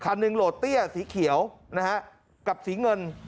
หนึ่งโหลดเตี้ยสีเขียวนะฮะกับสีเงิน